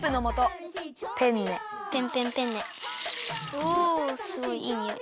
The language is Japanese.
おおすごいいいにおい。